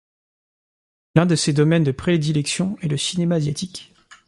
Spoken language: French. L'un de ses domaines de prédilection est le cinéma asiatique.